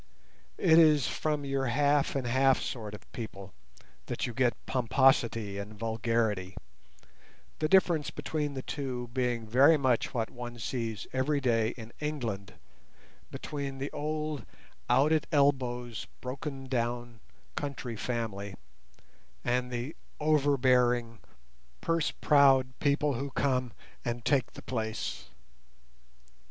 It is from your half and half sort of people that you get pomposity and vulgarity, the difference between the two being very much what one sees every day in England between the old, out at elbows, broken down county family, and the overbearing, purse proud people who come and "take the place".